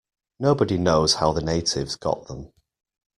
Nobody knows how the natives got them.